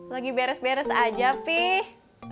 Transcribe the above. lagi beres beres aja pih